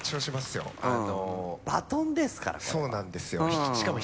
バトンですからこれそうなんですよ